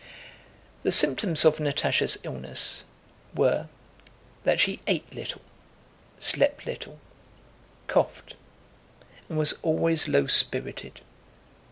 The symptoms of Natásha's illness were that she ate little, slept little, coughed, and was always low spirited.